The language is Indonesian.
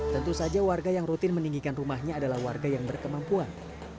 tentu saja warga yang rutin meninggikan rumahnya adalah warga yang berkemampuan